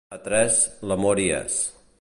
A tres, l'amor hi és.